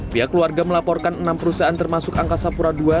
pihak keluarga melaporkan enam perusahaan termasuk angkasa pura ii